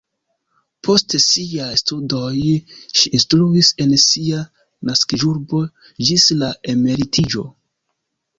Post siaj studoj ŝi instruis en sia naskiĝurbo ĝis la emeritiĝo.